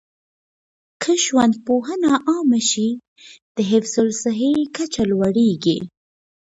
که ژوندپوهنه عامه شي، د حفظ الصحې کچه لوړيږي.